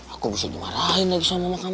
aku bisa dimarahin lagi sama mama kamu